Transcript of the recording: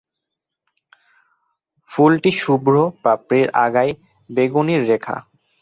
ফুলটি শুভ্র, পাপড়ির আগায় বেগনির রেখা।